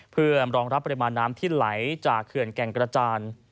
เพื่อรองรับปริมาณน้ำที่ไหลจากเขื่อนแก่งกระจาน